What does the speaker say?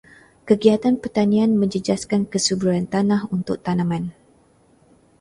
Kegiatan pertanian menjejaskan kesuburan tanah untuk tanaman.